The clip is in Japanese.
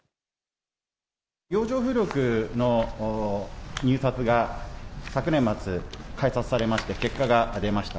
洋上風力の入札が昨年末、開札されまして、結果が出ました。